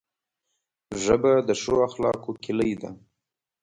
ژبه د ښو اخلاقو کلۍ ده